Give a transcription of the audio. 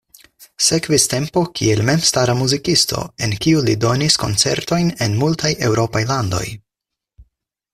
Sekvis tempo kiel memstara muzikisto, en kiu li donis koncertojn en multaj eŭropaj landoj.